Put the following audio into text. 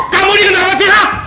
kamu ini kenapa sih